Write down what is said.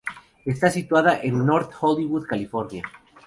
Está situada en North Hollywood, California.